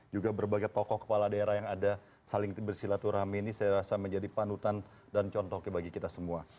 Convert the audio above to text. juga berbagai tokoh kepala daerah yang ada saling bersilaturahmi ini saya rasa menjadi panutan dan contohnya bagi kita semua